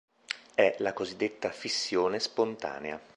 È la cosiddetta "fissione spontanea".